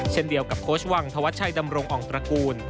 เช่นเดียวกับโค้ชวังธวัชชัยดำรงอ่องตระกูล